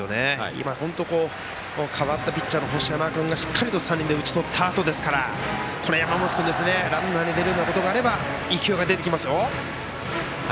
今、本当代わったピッチャーの星山君がしっかりと３人で打ち取ったあとですから山増君ランナーに出れるようなことがあれば勢いが出てきますよ。